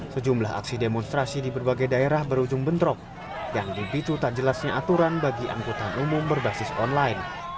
sejumlah aksi demonstrasi di berbagai daerah berujung bentrok yang dipicu tak jelasnya aturan bagi angkutan umum berbasis online